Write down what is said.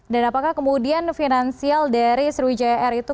dan apakah kemudian finansial dari sriwijaya air itu